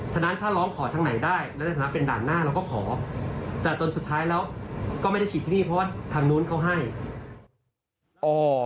ฉะนั้นถ้าร้องขอทางไหนได้แล้วในฐานะเป็นด่านหน้าเราก็ขอแต่จนสุดท้ายแล้วก็ไม่ได้ฉีดหนี้เพราะว่าทางนู้นเขาให้